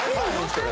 それ。